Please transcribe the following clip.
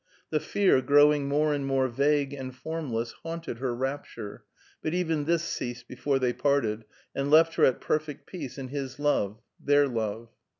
The fear, growing more and more vague and formless, haunted her rapture, but even this ceased before they parted, and left her at perfect peace in his love their love.